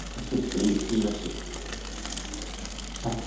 The area is part of the Porcupine Mountains Wilderness State Park.